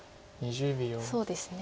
そうですね。